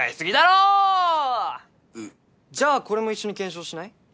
うっじゃあこれも一緒に検証しない？